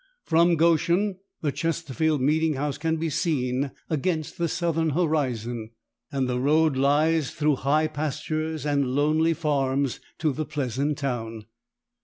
From Goshen the Chesterfield meeting house can be seen against the southern horizon, and the road lies through high pastures and lonely farms to the pleasant town.